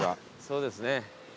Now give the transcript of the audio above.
そうですね。